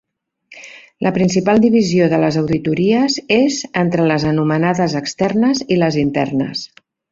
La principal divisió de les auditories és entre les anomenades externes i les internes.